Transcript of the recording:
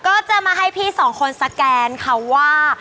ก็จะมาให้พี่สองคนสแกนค่ะว่า